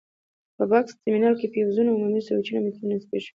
په بکس ترمینل کې فیوزونه، عمومي سویچونه او میټرونه نصبېږي.